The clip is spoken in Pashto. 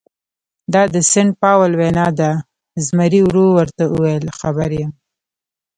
دا د سینټ پاول وینا ده، زمري ورو ورته وویل: خبر یم.